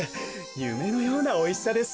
ゆめのようなおいしさです。